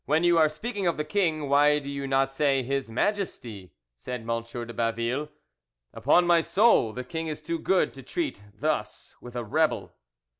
"When you are speaking of the king, why do you not say 'His Majesty'?" said M. de Baville. "Upon my soul, the king is too good to treat thus with a rebel."